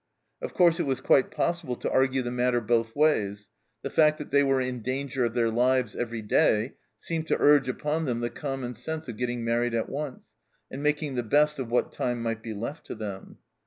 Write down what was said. Of course it was quite possible to argue the matter both ways ; the fact that they were in danger of their lives every day seemed to urge upon them the common sense of getting married at once, and making the best of what time might be left to them.